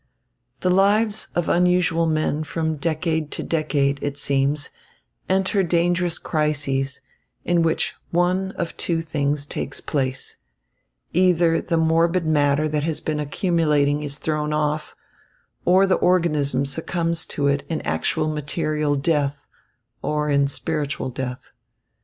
The lives of unusual men from decade to decade, it seems, enter dangerous crises, in which one of two things takes place; either the morbid matter that has been accumulating is thrown off, or the organism succumbs to it in actual material death, or in spiritual death.